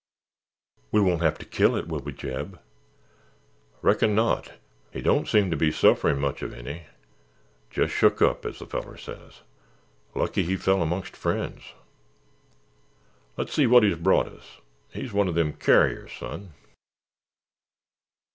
"We won't have to kill it, will we, Jeb?" "Reckon not. He don't seem to be sufferin' much uv any. Jes' shook up, as the feller says. Lucky he fell amongst friends. Let's see wot he's brought us—he's one of them carriers, son."